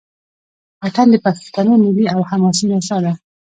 اټن د پښتنو ملي او حماسي نڅا ده.